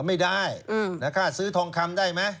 ไม่ได้ค่าซื้อทองคำได้ไหม